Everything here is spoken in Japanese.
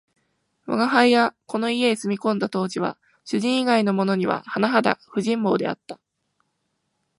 吾輩がこの家へ住み込んだ当時は、主人以外のものにははなはだ不人望であった